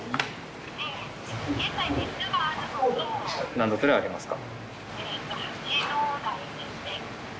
何度くらいありますか？